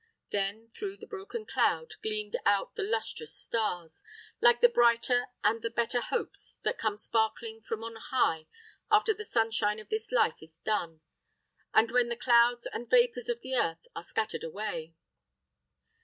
Then, through the broken cloud, gleamed out the lustrous stars, like the brighter and the better hopes that come sparkling from on high after the sunshine of this life is done, and when the clouds and vapors of the earth are scattering away.